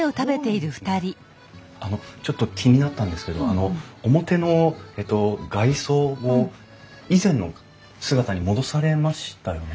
あのちょっと気になったんですけど表のえっと外装を以前の姿に戻されましたよね？